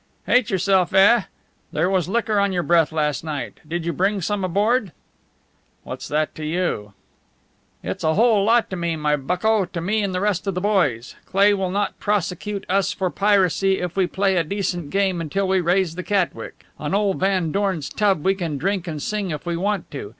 "Hate yourself, eh? There was liquor on your breath last night. Did you bring some aboard?" "What's that to you?" "It's a whole lot to me, my bucko to me and to the rest of the boys. Cleigh will not prosecute us for piracy if we play a decent game until we raise the Catwick. On old Van Dorn's tub we can drink and sing if we want to.